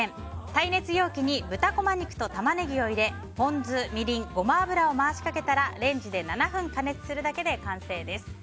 耐熱容器に豚こま肉とタマネギを入れポン酢、みりん、ゴマ油を回しかけたらレンジで７分加熱するだけで完成です。